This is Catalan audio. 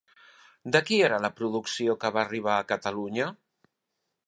De qui era la producció que va arribar a Catalunya?